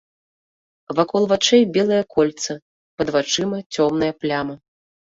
Вакол вачэй белае кольца, пад вачыма цёмная пляма.